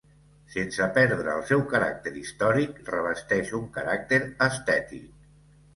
Sense perdre el seu caràcter històric, revesteix un caràcter estètic.